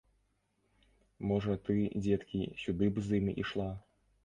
Можа, ты, дзеткі, сюды б з ім ішла?